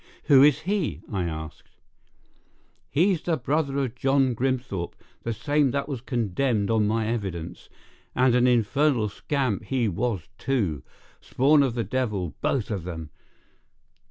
"Who is he?" I asked. "He's the brother of John Grimthorpe, the same that was condemned on my evidence; and an infernal scamp he was, too! Spawn of the devil, both of them!